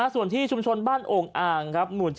ส่วนที่ชุมชนบ้านโอ่งอ่างครับหมู่๗